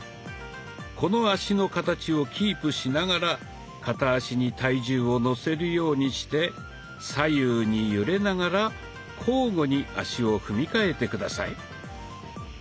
この足の形をキープしながら片足に体重をのせるようにして左右に揺れながら交互に足を踏みかえて下さい。